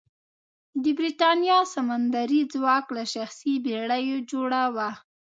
د برېتانیا سمندري ځواک له شخصي بېړیو جوړه وه.